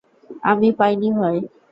আমি পাইনি ভাই!